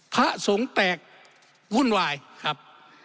พระสงฆ์แตกวุ่นวายครับ